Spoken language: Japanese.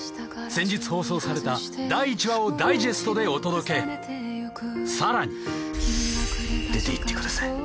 先日放送された第１話をダイジェストでお届けさらに出て行ってください